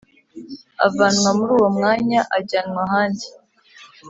avanwa muri uwo mwanya ajyanwa ahandi